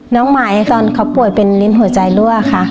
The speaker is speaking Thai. น้องหมายตอนเขาป่วยเป็นลิ้นหัวใจรั่วค่ะ